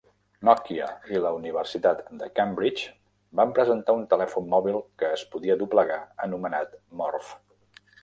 Nokia i la universitat de Cambridge van presentar un telèfon mòbil que es podia doblegar anomenat Morph.